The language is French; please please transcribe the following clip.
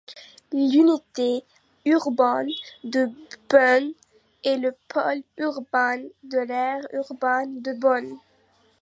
L'unité urbaine de Beaune est le pôle urbain de l'aire urbaine de Beaune.